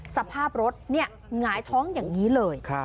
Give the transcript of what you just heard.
สภาพรถหงายท้องอย่างนี้เลย